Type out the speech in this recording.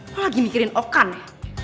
lo lagi mikirin okan ya